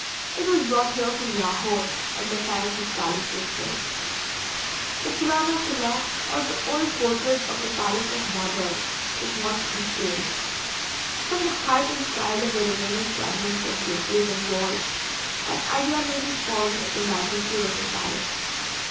It was brought here from Lahore at the time this palace was built. The Purana Killa, or the old fortress of the palace of Babar, is much decayed. From the height and style of the remaining fragments of gateways and walls, an idea may be formed of the magnitude of the palace.